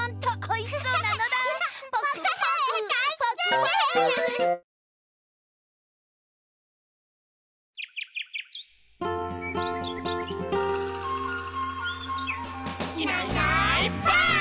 「いないいないばあっ！」